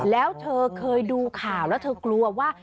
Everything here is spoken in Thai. แล้วเธอเคยดูข่าวแล้วเธอกลัวว่า